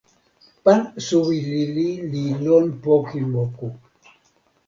pan suwi lili li lon poki moku